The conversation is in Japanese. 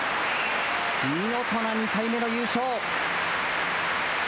見事な２回目の優勝。